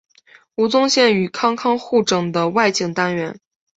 吴宗宪与康康互整的外景单元。